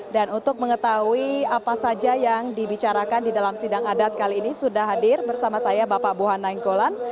dan untuk mengetahui apa saja yang dibicarakan di dalam sidang adat kali ini sudah hadir bersama saya bapak buha nenggolan